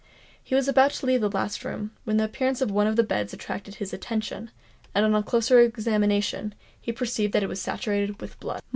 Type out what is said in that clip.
He was about to leave the last room, when the appearance of one of the beds attracted his attention; and on a closer examination, he perceived that it was saturated with blood.